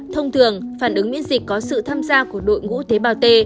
thông thường phản ứng miễn dịch có sự tham gia của đội ngũ tế bào t